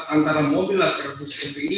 antara mobil lascar khusus mpi